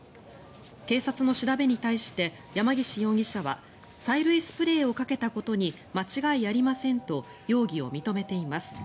警察の調べに対して山岸容疑者は催涙スプレーをかけたことに間違いありませんと容疑を認めています。